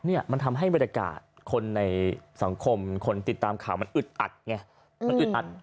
เนี่ยมันทำให้บริการคนในสังคมคนติดตามข่าวมันอึดอัดไง